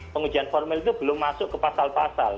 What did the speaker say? pengujian formil itu belum masuk ke pasal pasal